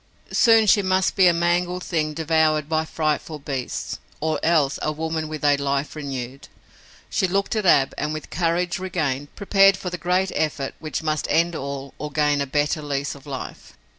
Soon she must be a mangled thing devoured by frightful beasts, or else a woman with a life renewed. She looked at Ab, and, with courage regained, prepared for the great effort which must end all or gain a better lease of life.